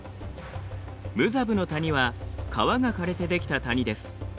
ムザブの谷は川がかれて出来た谷です。